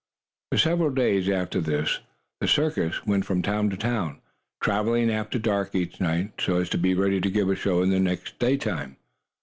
For several days after this the circus went from town to town, traveling after dark each night, so as to be ready to give a show in the day time.